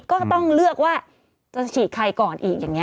ก็ต้องเลือกว่าจะฉีดใครก่อนอีกอย่างนี้